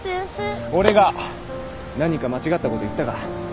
俺が何か間違ったこと言ったか？